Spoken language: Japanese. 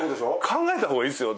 考えたほうがいいっすよ！